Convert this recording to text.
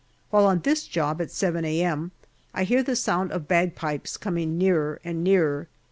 While on this job at 7 a.m. I hear the sound of bagpipes coming nearer and nearer.